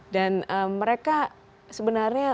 dan mereka sebenarnya